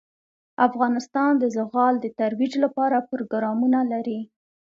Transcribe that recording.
افغانستان د زغال د ترویج لپاره پروګرامونه لري.